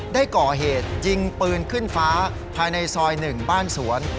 ได้ก่อเหตุยิงปืนขึ้นฟ้าภายในซอย๑บ้านสวน